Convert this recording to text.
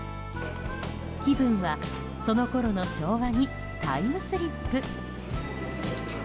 気分は、そのころの昭和にタイムスリップ。